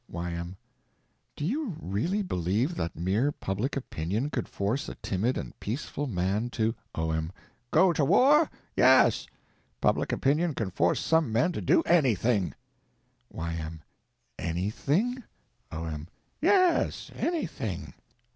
Y.M. Do you really believe that mere public opinion could force a timid and peaceful man to— O.M. Go to war? Yes—public opinion can force some men to do anything. Y.M. Anything? O.M. Yes—anything.